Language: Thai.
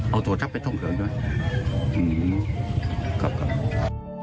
เอาตัวทับเป็นต้องเคลิยร์ด้วยขอบคุณครับ